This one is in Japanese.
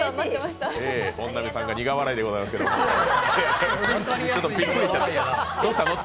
本並さんが苦笑いでございますけれども。